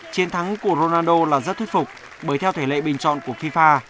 chiến thắng của ronaldo là rất thuyết phục bởi theo thể lệ bình chọn của fifa